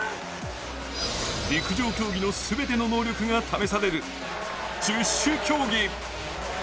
陸上競技の全ての能力が試される、十種競技。